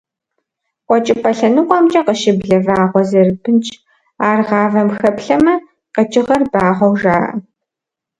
Къуэкӏыпӏэ лъэныкъуэмкӏэ къыщыблэ вагъуэ зэрыбынщ, ар гъавэм хэплъэмэ, къэкӏыгъэр багъуэу жаӏэ.